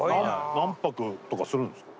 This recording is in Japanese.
何泊とかするんすか？